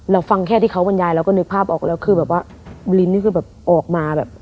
เราฟังแค่ที่เขาบรรยายเราก็นึกภาพออกแล้วคือแบบว่าบุลินนี่คือแบบออกมาแบบ